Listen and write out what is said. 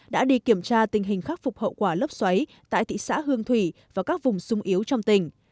đã đi kiểm tra tình hình khắc phục hậu quả lốc xoáy tại thị xã hương thủy và các vùng sung yếu trong tỉnh